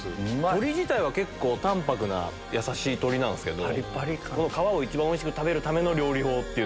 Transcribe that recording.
鶏自体は結構淡泊なやさしい鶏なんすけどこの皮を一番おいしく食べるための料理法。